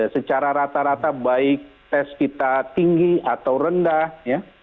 secara rata rata baik tes kita tinggi atau rendah ya